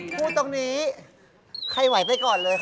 พูดตรงนี้ใครไหวไปก่อนเลย